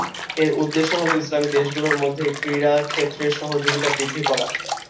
এর উদ্দেশ্য হল ইসলামী দেশগুলোর মধ্যে ক্রীড়া ক্ষেত্রে সহযোগিতা বৃদ্ধি করা।